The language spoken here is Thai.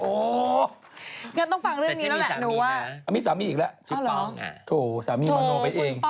โอ้งั้นต้องฟังเรื่องนี้แล้วแหละ